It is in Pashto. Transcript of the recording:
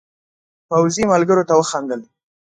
پوځي ملګرو ته وخندل.